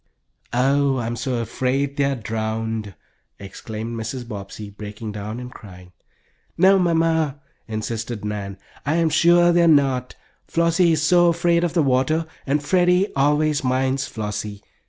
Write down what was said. "Oh, I'm so afraid they are drowned!" exclaimed Mrs. Bobbsey, breaking down and crying. "No, mamma," insisted Nan, "I am sure they are not. Flossie is so afraid of the water, and Freddie always minds Flossie.